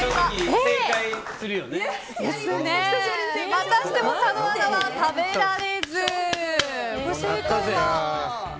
またしても佐野アナは食べられず。